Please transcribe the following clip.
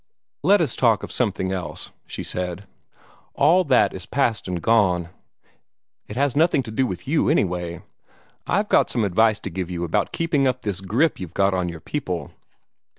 "Let us talk of something else," she said. "All that is past and gone. It has nothing to do with you, anyway. I've got some advice to give you about keeping up this grip you've got on your people."